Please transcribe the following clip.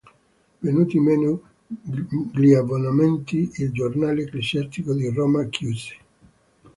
Venuti meno gli abbonamenti, il "Giornale ecclesiastico" di Roma chiuse.